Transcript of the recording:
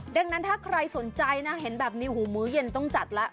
ดังนั้นถ้าใครสนใจนะเห็นแบบนี้หูมื้อเย็นต้องจัดแล้ว